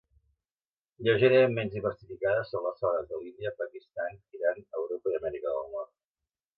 Lleugerament menys diversificades són les faunes de l'Índia, Pakistan, Iran, Europa i Amèrica del Nord.